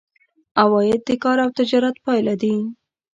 عواید د کار او تجارت پایله دي.